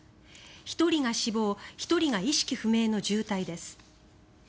１人が死亡１人が意識不明の重体です。